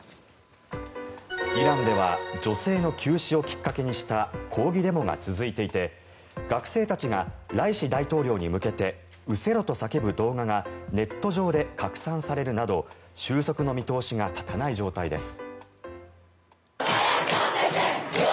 イランでは女性の急死をきっかけにした抗議デモが続いていて学生たちがライシ大統領に向けて失せろと叫ぶ動画がネット上で拡散されるなど収束の見通しが立たない状態です。